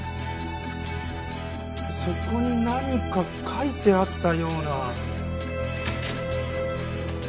そこに何か書いてあったような。